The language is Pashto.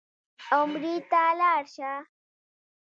عمرې ته لاړ شه.